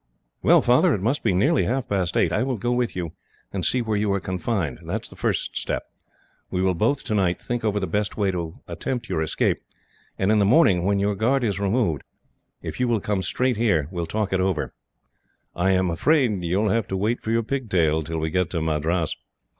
"Well, Father, it must be nearly half past eight. I will go with you, and see where you are confined that is the first step. We will both, tonight, think over the best way of attempting your escape; and in the morning, when your guard is removed, if you will come straight here we will talk it over. "I am afraid you will have to wait for your pigtail till we get to Madras."